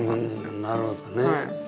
うんなるほどね。